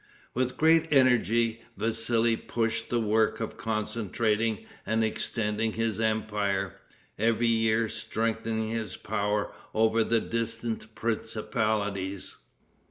With great energy Vassili pushed the work of concentrating and extending his empire, every year strengthening his power over the distant principalities.